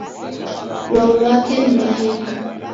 Lwau lwake ni lwa henga.